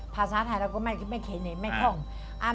ภาษาไทยเราก็ไม่เขียนเลยไม่ต้อง